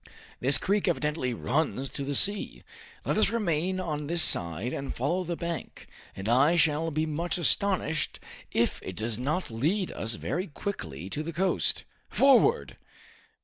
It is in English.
"This creek evidently runs to the sea. Let us remain on this side and follow the bank, and I shall be much astonished if it does not lead us very quickly to the coast. Forward!"